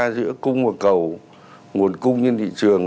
giữa cung và cầu nguồn cung trên thị trường